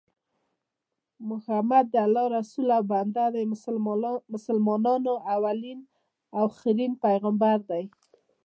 محمد د الله رسول او بنده دي او مسلمانانو اولين اخرين پیغمبر دي